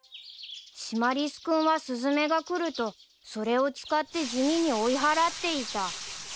［シマリス君はスズメが来るとそれを使って地味に追い払っていた］